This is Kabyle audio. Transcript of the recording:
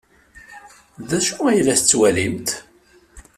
D acu ay la tettwalimt?